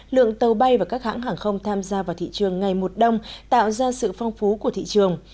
lượng tàu bay và các hãng hàng không tham gia vào thị trường ngày một đông tạo ra sự phong phú của thị trường